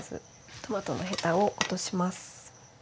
トマトのヘタを落とします。